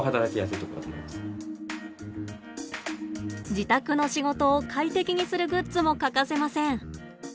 自宅の仕事を快適にするグッズも欠かせません。